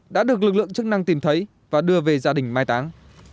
đã được lực lượng chức năng tìm thấy và đưa về gia đình mai táng